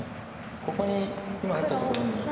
ここに今打ったところに。